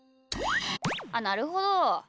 あっなるほど。